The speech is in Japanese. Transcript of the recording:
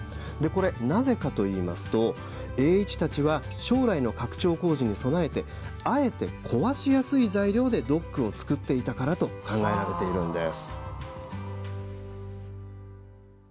なぜかといいますと、栄一たちは将来の拡張工事に備えてあえて、壊しやすい材料でドックを造っていたからと考えられているんです。